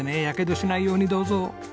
やけどしないようにどうぞ。